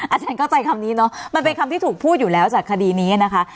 อาจารย์เข้าใจคำนี้เนอะมันเป็นคำที่ถูกพูดอยู่แล้วจากคดีนี้นะคะ